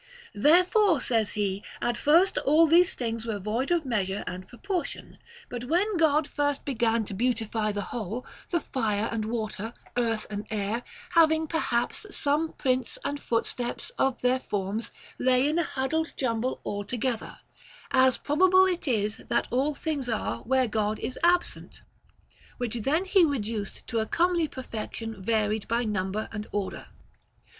Therefore, says he, at first all these things were void of measure and proportion ; but when God first began to beautify the whole, the fire and water, earth and air, having perhaps some prints and footsteps of their forms, lay in a huddle jumbled all together, — as probable it is that all things are, where God is absent, — which then he reduced to a comely perfection varied by number and order.